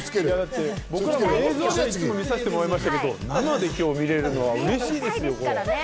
僕らも映像では見させてもらいますけれども、生で見られるのはうれしいですよね。